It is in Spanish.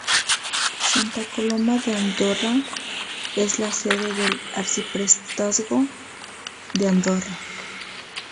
Santa Coloma de Andorra es la sede del Arciprestazgo de Andorra.